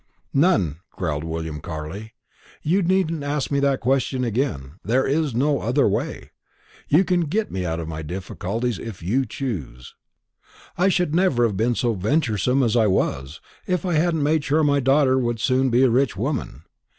"None," growled William Carley. "You needn't ask me that question again; there is no other way; you can get me out of my difficulties if you choose. I should never have been so venturesome as I was, if I hadn't made sure my daughter would soon be a rich woman.